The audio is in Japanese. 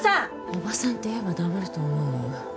おばさんって言えば黙ると思う？